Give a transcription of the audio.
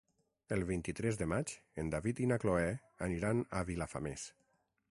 El vint-i-tres de maig en David i na Cloè aniran a Vilafamés.